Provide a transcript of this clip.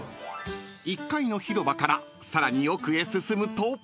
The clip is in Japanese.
［１階の広場からさらに奥へ進むと］